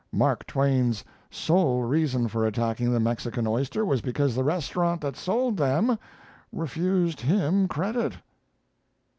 Mark Twain's sole reason for attacking the Mexican oyster was because the restaurant that sold them refused him credit.